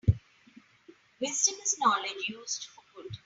Wisdom is knowledge used for good.